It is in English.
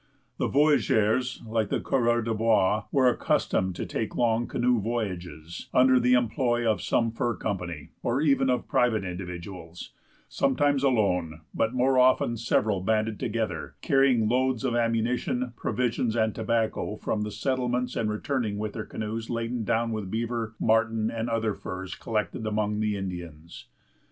The voyageurs, like the coureurs des bois, were accustomed to take long canoe voyages, under the employ of some fur company, or even of private individuals; sometimes alone, but more often several banded together, carrying loads of ammunition, provisions, and tobacco from the settlements and returning with their canoes laden down with beaver, marten, and other furs collected among the Indians.